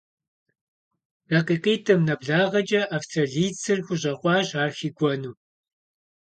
ДакъикъитӀым нэблагъэкӀэ австралийцыр хущӀэкъуащ ар хигуэну.